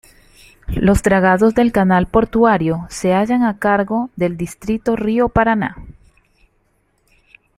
Los dragados del canal portuario se hallan a cargo del Distrito Río Paraná.